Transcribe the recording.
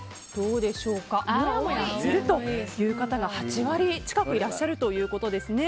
もやもやするという方が８割近くいらっしゃるということですね。